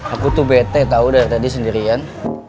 aku tuh bete tahu dari tadi sendirian